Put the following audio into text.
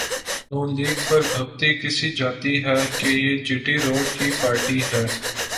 نون league پر پھبتی کسی جاتی ہے کہ یہ جی ٹی روڈ کی پارٹی ہے۔